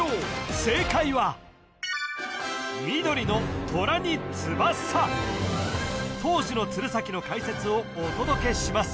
正解は緑の「虎に翼」当時の鶴崎の解説をお届けします